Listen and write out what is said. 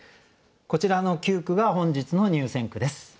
こちらの９句が本日の入選句です。